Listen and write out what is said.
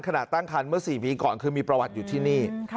ขณะตั้งคันเมื่อ๔ปีก่อนคือมีประวัติอยู่ที่นี่